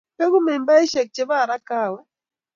Bekuu mimbaishe che bo Haraka awee?